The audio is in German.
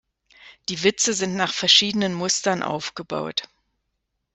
Die Witze sind nach verschiedenen Mustern aufgebaut.